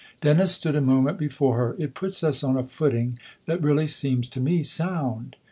Dennis stood a moment before her. " It puts us on a footing that really seems to me sound."